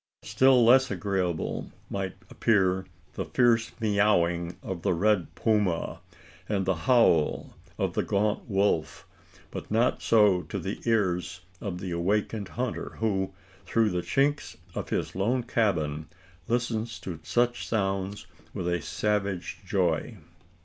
Still less agreeable might appear the fierce miaulling of the red puma, and the howl of the gaunt wolf; but not so to the ears of the awakened hunter, who, through the chinks of his lone cabin, listens to such sounds with a savage joy.